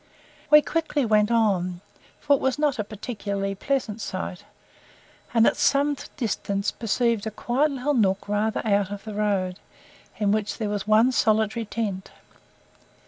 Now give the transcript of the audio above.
We quickly went on, for it was not a particularly pleasant sight, and at some distance perceived a quiet little nook rather out of the road, in which was one solitary tent.